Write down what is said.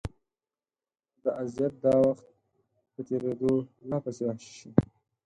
دا اذیت د وخت په تېرېدو لا پسې وحشي شي.